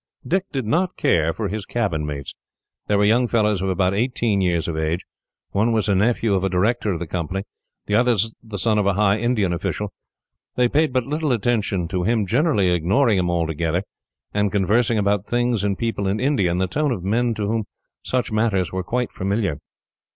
Dick did not care for his cabin mates. They were young fellows of about eighteen years of age. One was a nephew of a Director of the Company, the other the son of a high Indian official. They paid but little attention to him, generally ignoring him altogether, and conversing about things and people in India, in the tone of men to whom such matters were quite familiar.